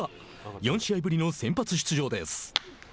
４試合ぶりの先発出場です。